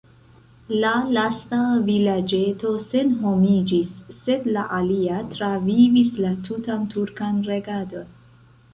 La lasta vilaĝeto senhomiĝis, sed la alia travivis la tutan turkan regadon.